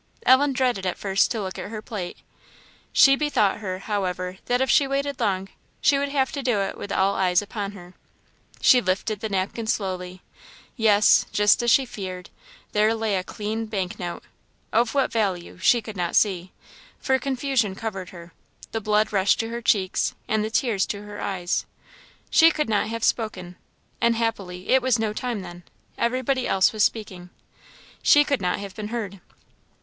Ellen dreaded at first to look at her plate; she bethought her, however, that if she waited long, she would have to do it with all eyes upon her; she lifted the napkin slowly; yes just as she feared there lay a clean bank note of what value she could not see, for confusion covered her; the blood rushed to her cheeks and the tears to her eyes. She could not have spoken, and happily it was no time then; everybody else was speaking she could not have been heard.